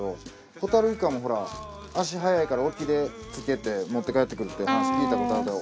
ホタルイカもほら足早いから沖で漬けて持って帰ってくるって話聞いたことあるけど。